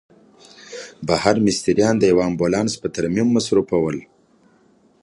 بهر مستریان د یوه امبولانس په ترمیم مصروف ول.